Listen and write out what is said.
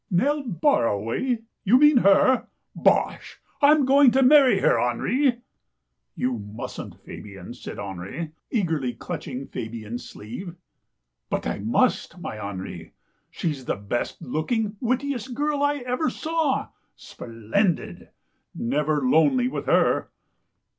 "Nell Barraway — you mean her? Bosh! Fm going to marry her, Henri." " You mustn't, Fabian," said Henri, eagerly clutch ing Fabian's sleeve. " But I must, my Henri. She's the best looking, wittiest girl I ever saw — splendid. Never lonely with her."